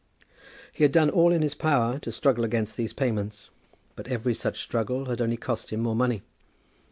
He had done all in his power to struggle against these payments, but every such struggle had only cost him more money.